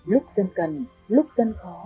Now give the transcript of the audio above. lúc dân cần lúc dân khó